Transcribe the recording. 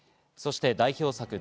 そして代表作